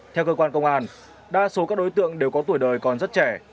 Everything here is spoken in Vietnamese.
theo cơ quan công an đa số các đối tượng đều có tuổi đời còn rất trẻ